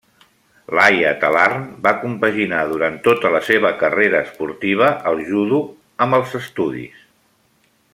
Laia Talarn va compaginar durant tota la seva carrera esportiva el judo amb els estudis.